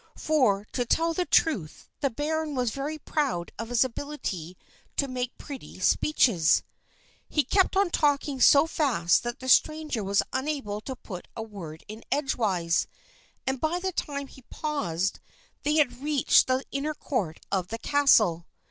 For, to tell the truth, the baron was very proud of his ability to make pretty speeches. He kept on talking so fast that the stranger was unable to put a word in edgewise, and by the time he paused, they had reached the inner court of the castle.